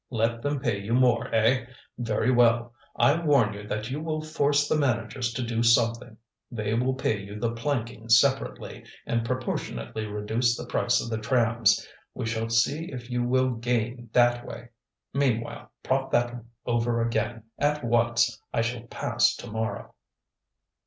Let them pay you more, eh? Very well! I warn you that you will force the managers to do something: they will pay you the planking separately, and proportionately reduce the price of the trams. We shall see if you will gain that way! Meanwhile, prop that over again, at once; I shall pass to morrow."